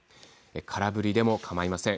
空振りでもかまいません。